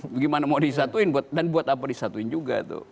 bagaimana mau disatuin dan buat apa disatuin juga tuh